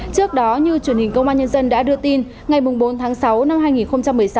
trước đó như truyền hình công an nhân dân đã đưa tin ngày bốn tháng sáu năm hai nghìn một mươi sáu